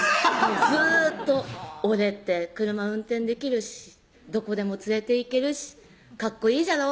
ずーっと「俺って車運転できるしどこでも連れていけるし」「かっこいいじゃろ？」